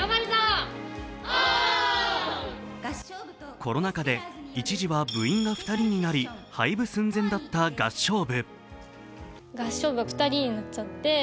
コロナ禍で一時は部員が２人になり廃部寸前だった合唱部。